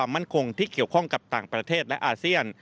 มั่นคงที่เกี่ยวข้องกับต่างประเทศและอาเซียน